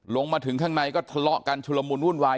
ลงมาถึงข้างในก็ทะเลาะกันชุลมุนวุ่นวาย